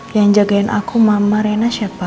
yang jagain aku mama rena siapa